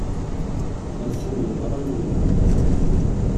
A tin yeḍran yid-neɣ!